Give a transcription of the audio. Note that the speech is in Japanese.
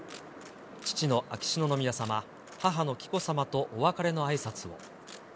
父の秋篠宮さま、母の紀子さまとお別れのあいさつを。